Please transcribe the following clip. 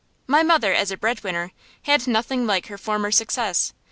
My mother, as a bread winner, had nothing like her former success.